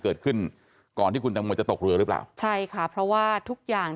เกิดขึ้นก่อนที่คุณตังโมจะตกเรือหรือเปล่าใช่ค่ะเพราะว่าทุกอย่าง